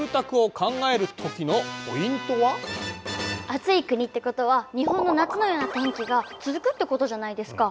暑い国ってことは日本の夏のような天気が続くってことじゃないですか。